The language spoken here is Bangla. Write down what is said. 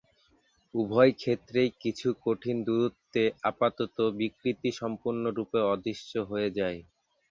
উভয় ক্ষেত্রেই, কিছু কঠিন দূরত্বে আপাত বিকৃতি সম্পূর্ণরূপে অদৃশ্য হয়ে যায়।